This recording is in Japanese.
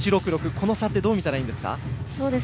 この差はどう見たらいいですか。